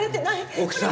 奥さん。